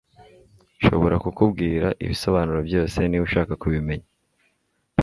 Nshobora kukubwira ibisobanuro byose niba ushaka kubimenya